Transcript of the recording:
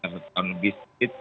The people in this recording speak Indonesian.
satu tahun lebih sedikit